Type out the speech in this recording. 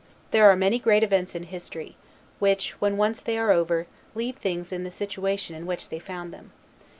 There are many great events in history, which, when once they are over, leave things in the situation in which they found them.